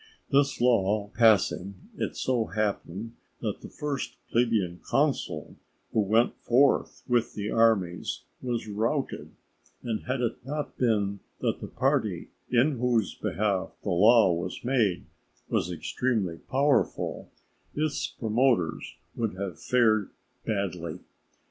This law passing, it so happened that the first plebeian consul who went forth with the armies was routed; and had it not been that the party in whose behalf the law was made was extremely powerful, its promoters would have fared badly.